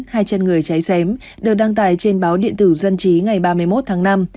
hai chân người cháy xém được đăng tải trên báo điện tử dân trí ngày ba mươi một tháng năm